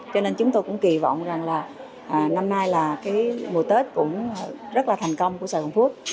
cho nên chúng tôi cũng kỳ vọng rằng năm nay mùa tết cũng rất là thành công của sàn góc phước